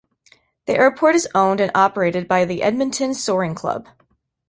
The airport is owned and operated by the Edmonton Soaring Club.